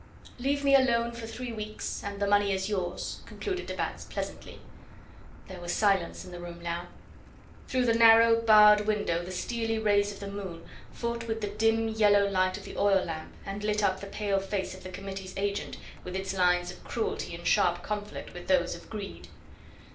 "Leave me alone for three weeks and the money is yours," concluded de Batz pleasantly. There was silence in the room now. Through the narrow barred window the steely rays of the moon fought with the dim yellow light of the oil lamp, and lit up the pale face of the Committee's agent with its lines of cruelty in sharp conflict with those of greed.